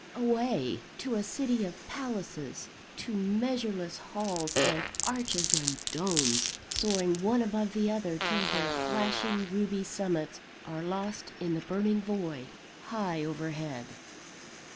Away! to a City of Palaces, to measureless halls, and arches, and domes, soaring one above another, till their flashing ruby summits are lost in the burning void, high overhead.